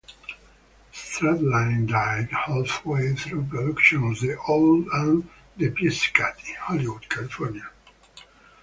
Stradling died halfway through production of "The Owl and the Pussycat" in Hollywood, California.